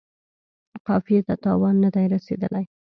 قافیې ته تاوان نه دی رسیدلی.